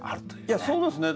いやそうですね。